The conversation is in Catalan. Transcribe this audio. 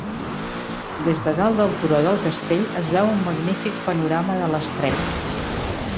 Des de dalt del turó del castell es veu un magnífic panorama de l'estret.